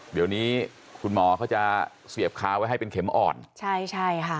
เดี๋ยวนี้คุณหมอเขาจะเสียบค้าไว้ให้เป็นเข็มอ่อนใช่ใช่ค่ะ